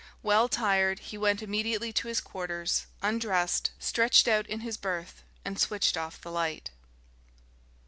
Well tired, he went immediately to his quarters, undressed, stretched out in his berth, and switched off the light.